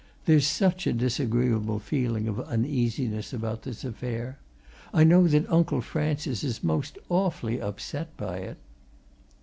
"There's such a disagreeable feeling of uneasiness about this affair. I know that Uncle Francis is most awfully upset by it."